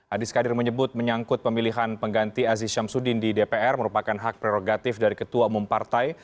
adi skadir menyebut menyangkut pemilihan pengganti aziz syamsuddin di dpr merupakan hak prerogatif dari ketua umum partai